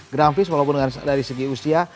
grafis walaupun dari segi usia